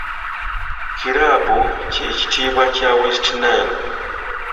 Kilaabu kye kitiibwa kya west Nile